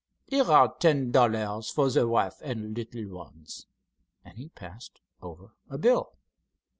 Here are ten dollars for the wife and little ones," and he passed over a bill.